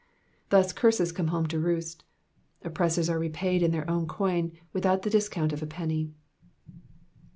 Thus curses come home to roost. Oppressors are repaid in thfir own coin, without the discount of a penny.